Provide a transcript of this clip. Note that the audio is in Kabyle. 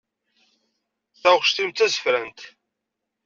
Taɣect-im d tazefrant.